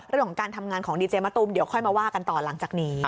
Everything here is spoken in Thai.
เรื่องของการทำงานของดีเจมะตูมเดี๋ยวค่อยมาว่ากันต่อหลังจากนี้